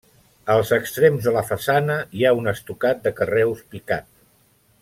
Als extrems de la façana hi ha un estucat de carreus picat.